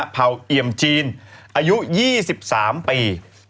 เผ่าเอี่ยมจีนอายุ๒๓ปี